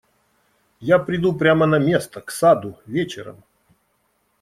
Я приду прямо на место, к саду, вечером.